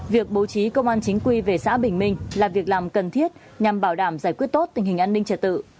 việc bố trí công an chính quy về xã bình minh là việc làm cần thiết nhằm bảo đảm giải quyết tốt tình hình an ninh trật tự